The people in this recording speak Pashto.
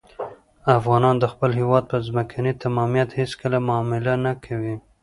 افغانان د خپل هېواد په ځمکنۍ تمامیت هېڅکله معامله نه کوي.